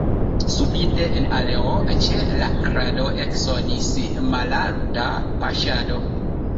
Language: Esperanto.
Subite en aleo ĉe la krado eksonis mallaŭta paŝado.